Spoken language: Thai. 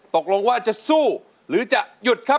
ตกลงว่าจะสู้หรือจะหยุดครับ